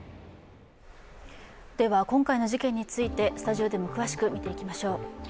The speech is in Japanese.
今回の事件についてスタジオでも詳しくみていきましょう。